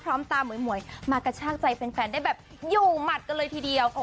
ตามหวยมากระชากใจแฟนได้แบบอยู่หมัดกันเลยทีเดียว